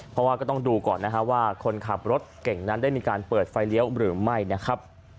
เพราะว่าก็ต้องดูก่อนนะฮะว่าคนขับรถเก่งนั้นได้มีการเปิดไฟเลี้ยวหรือไม่นะครับ